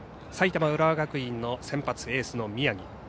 埼玉、浦和学院の先発、エースの宮城。